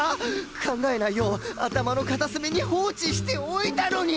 考えないよう頭の片隅に放置しておいたのに！